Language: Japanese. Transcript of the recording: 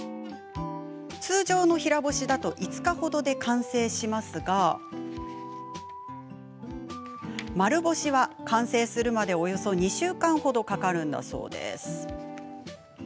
通常の平干しだと５日ほどで完成しますが丸干しは完成するまでおよそ２週間ほどかかるんだそうです。